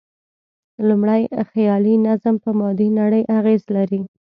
لومړی، خیالي نظم په مادي نړۍ اغېز لري.